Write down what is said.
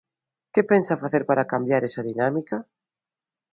¿Que pensa facer para cambiar esa dinámica?